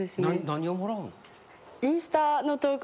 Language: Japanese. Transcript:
何をもらうの？